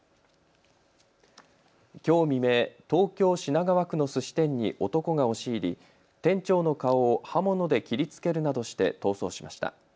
きょう未明、東京品川区のすし店に男が押し入り店長の顔を刃物で切りつけるなどして逃走しました。